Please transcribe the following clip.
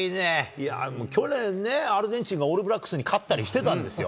いや、去年ね、アルゼンチンがオールブラックスに勝ってたりしてたんですよ。